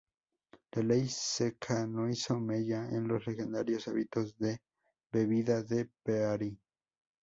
La Ley seca no hizo mella en los legendarios hábitos de bebida de Pearl.